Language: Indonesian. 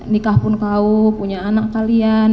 nikah pun kau punya anak kalian